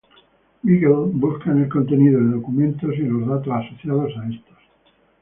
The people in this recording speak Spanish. Beagle busca en el contenido de documentos, y en los datos asociados a estos.